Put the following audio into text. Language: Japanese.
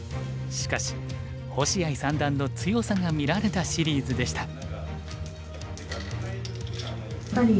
しかし星合三段の強さが見られたシリーズでした。